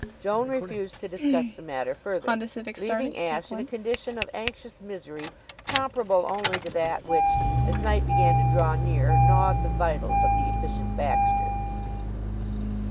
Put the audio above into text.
Joan refused to discuss the matter further, leaving Ashe in a condition of anxious misery comparable only to that which, as night began to draw near, gnawed the vitals of the Efficient Baxter.